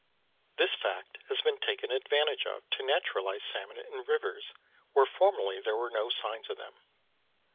This fact has been taken advantage of to naturalise salmon in rivers where formerly there were no signs of them.